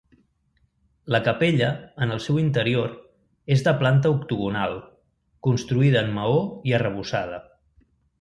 La capella, en el seu interior, és de planta octogonal, construïda en maó i arrebossada.